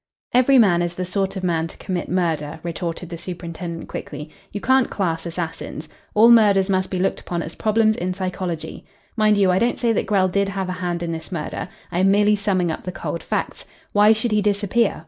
"Every man is the sort of man to commit murder," retorted the superintendent quickly. "You can't class assassins. All murders must be looked upon as problems in psychology. Mind you, I don't say that Grell did have a hand in this murder. I am merely summing up the cold facts. Why should he disappear?